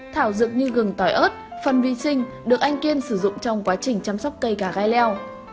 thảo dược như gừng tỏi ớt phân vi sinh được anh kiên sử dụng trong quá trình chăm sóc cây cà gai leo